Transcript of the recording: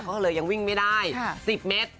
ก็เลยยังวิ่งไม่ได้๑๐เมตร